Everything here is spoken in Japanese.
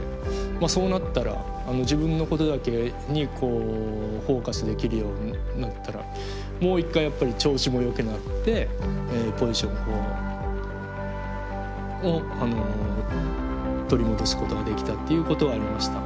そうなったら自分のことだけにフォーカスできるようになったらもう一回やっぱり調子もよくなってポジションを取り戻すことができたっていうことはありました。